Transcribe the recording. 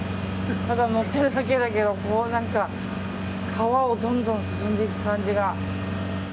ただ乗ってるだけだけど川をどんどん進んでいく感じが。